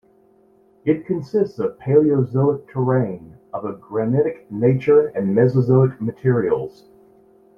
It consists of Paleozoic terrain of a granitic nature and Mesozoic materials.